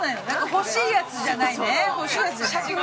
欲しいやつじゃない。